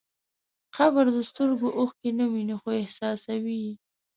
قبر د سترګو اوښکې نه ویني، خو احساسوي.